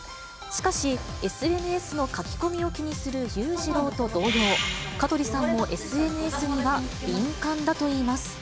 しかし、ＳＮＳの書き込みを気にする裕次郎と同様、香取さんもＳＮＳには敏感だといいます。